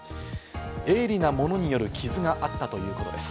鋭利な物による傷があったということです。